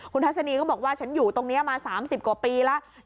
คุณทัศนีก็บอกว่าฉันอยู่ตรงนี้มา๓๐กว่าปีแล้ว